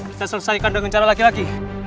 kita selesaikan dengan cara laki laki